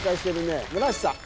村橋さん